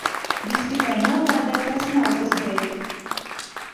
Viss tikai nolādētās naudas dēļ.